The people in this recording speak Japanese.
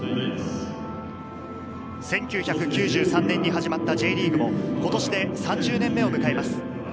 １９９３年に始まったＪリーグも今年で３０年目を迎えます。